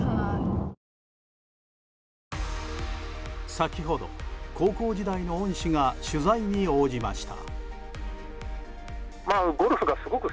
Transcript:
先ほど、高校時代の恩師が取材に応じました。